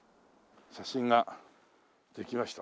写真ができました。